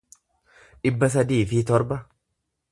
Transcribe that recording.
dhibba sadii fi torba